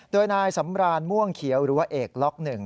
โดยนายสำรานม่วงเขียวหรือว่าเอกล็อกหนึ่ง